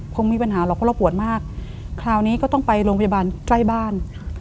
คงมีปัญหาหรอกเพราะเราปวดมากคราวนี้ก็ต้องไปโรงพยาบาลใกล้บ้าน